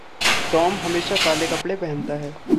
Tom हमेशा काले कपड़े पहनता है।